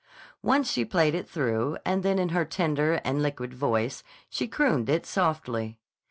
Once she played it through, and then in her tender and liquid voice she crooned it softly.